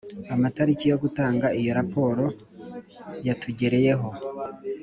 Amatariki yo gutanga iyo raporo yatugereyeho